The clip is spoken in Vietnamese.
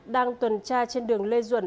đang tuần tra trên đường lê duẩn